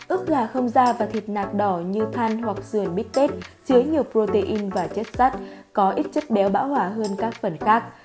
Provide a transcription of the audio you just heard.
bốn ước gà không da và thịt nạc đỏ như than hoặc sườn bít tết chứa nhiều protein và chất sắt có ít chất béo bão hòa hơn các phần khác